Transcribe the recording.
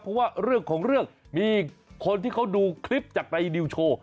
เพราะว่าเรื่องของเรื่องมีคนที่เขาดูคลิปจากในนิวโชว์